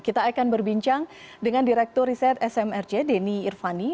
kita akan berbincang dengan direktur riset smrc denny irvani